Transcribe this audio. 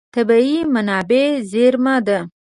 طبیعي منابع زېرمه ده.